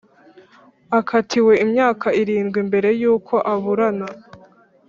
akatiwe imyaka irindwi mbere y uko aburana